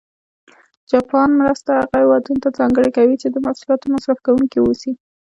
جاپان مرستې هغه هېوادونه ته ځانګړې کوي چې د محصولاتو مصرف کوونکي و اوسي.